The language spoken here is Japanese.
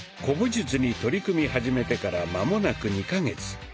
古武術に取り組み始めてからまもなく２か月。